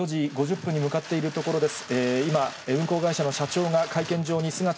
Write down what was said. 今、４時５０分に向かっているところです。